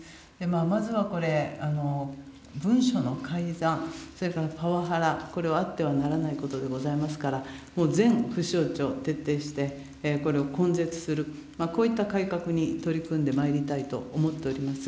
まずはこれ、文書の改ざん、それからパワハラ、これはあってはならないことでございますから、もう全府省庁、徹底して、これを根絶する、こういった改革に取り組んでまいりたいと思っております。